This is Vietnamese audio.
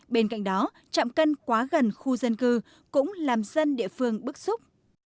bên cạnh đó chạm cân quá gần khu dân cư cũng làm dân địa phương bức xúc